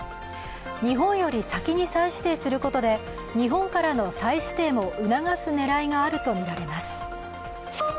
日本より先に再指定することで日本からの再指定も促す狙いもあるとみられます。